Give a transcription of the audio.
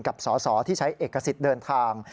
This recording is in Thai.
สอสอที่ใช้เอกสิทธิ์เดินทาง